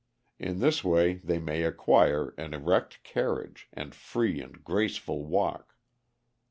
In this way they may acquire an erect carriage, and free and graceful walk."